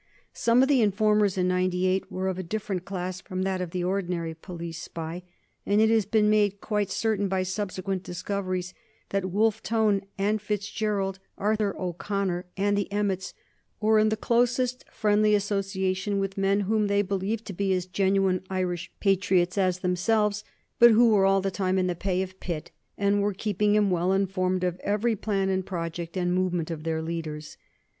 Some of the informers in "Ninety Eight" were of a different class from that of the ordinary police spy; and it has been made quite certain by subsequent discoveries that Wolfe Tone and Fitzgerald, Arthur O'Connor and the Emmets were in the closest friendly association with men whom they believed to be as genuine Irish patriots as themselves, but who were all the time in the pay of Pitt, and were keeping him well informed of every plan and project and movement of their leaders.